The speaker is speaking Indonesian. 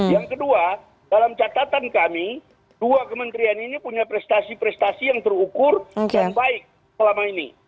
yang kedua dalam catatan kami dua kementerian ini punya prestasi prestasi yang terukur dan baik selama ini